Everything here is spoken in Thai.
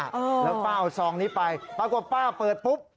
แล้วป้าเอาซองนี้ไปปรากฏป้าเปิดปุ๊บ